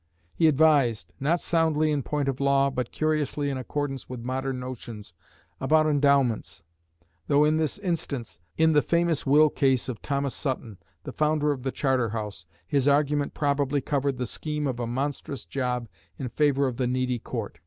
He advised not soundly in point of law, but curiously in accordance with modern notions about endowments; though, in this instance, in the famous will case of Thomas Sutton, the founder of the Charter House, his argument probably covered the scheme of a monstrous job in favour of the needy Court.